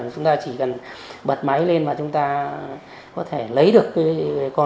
chúng ta chỉ cần bật máy lên và chúng ta có thể lấy được